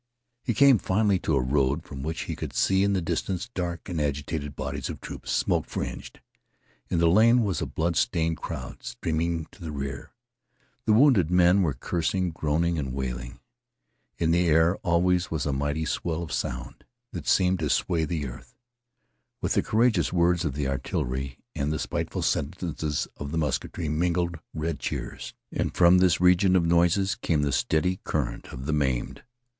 He came finally to a road from which he could see in the distance dark and agitated bodies of troops, smoke fringed. In the lane was a blood stained crowd streaming to the rear. The wounded men were cursing, groaning, and wailing. In the air, always, was a mighty swell of sound that it seemed could sway the earth. With the courageous words of the artillery and the spiteful sentences of the musketry mingled red cheers. And from this region of noises came the steady current of the maimed.